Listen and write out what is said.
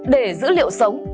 để dữ liệu sống